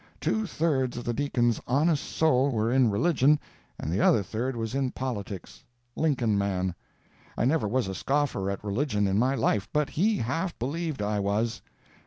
Two thirds of the deacon's honest soul were in religion and the other third was in politics—Lincoln man. I never was a scoffer at religion in my life, but he half believed I was.